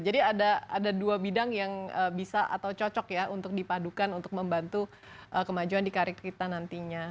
jadi ada dua bidang yang bisa atau cocok ya untuk dipadukan untuk membantu kemajuan di karir kita nantinya